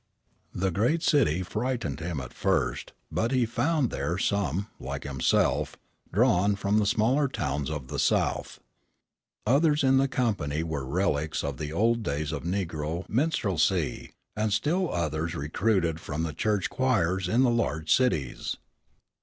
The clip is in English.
The great city frightened him at first, but he found there some, like himself, drawn from the smaller towns of the South. Others in the company were the relics of the old days of negro minstrelsy, and still others recruited from the church choirs in the large cities.